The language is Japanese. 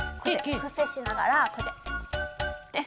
ふせしながらこうやってね！